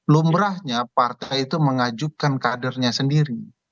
lumrahnya partai itu mengajukan kadernya sendiri